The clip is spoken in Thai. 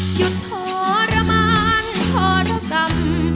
หยุดทรมานทรกรรม